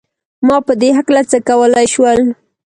ما په دې هکله څه کولای شول؟